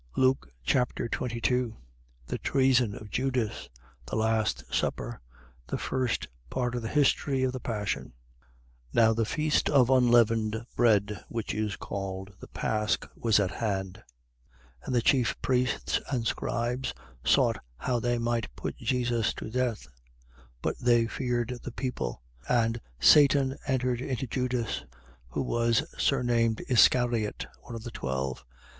Luke Chapter 22 The treason of Judas. The last supper. The first part of the history of the passion. 22:1. Now the feast of unleavened bread, which is called the pasch, was at hand. 22:2. And the chief priests and the scribes sought how they might put Jesus to death: but they feared the people. 22:3. And Satan entered into Judas, who was surnamed Iscariot, one of the twelve.